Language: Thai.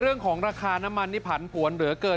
เรื่องของราคาน้ำมันนี่ผันผวนเหลือเกิน